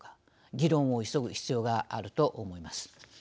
議論を急ぐ必要があると思います。